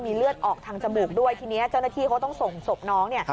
เลือดออกทางจมูกด้วยทีนี้เจ้าหน้าที่เขาต้องส่งศพน้องเนี่ย